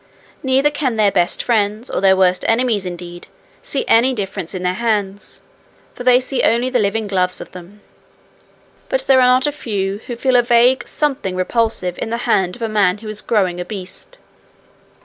Neither can their best friends, or their worst enemies indeed, see any difference in their hands, for they see only the living gloves of them. But there are not a few who feel a vague something repulsive in the hand of a man who is growing a beast.